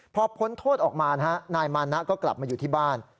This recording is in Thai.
พอพ้นโทษออกมานะฮะนายมานะก็กลับมาอยู่ที่บ้าน